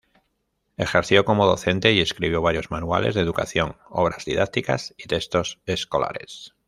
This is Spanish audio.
Ejerció como docente y escribió varios manuales de educación, obras didácticas y textos escolares.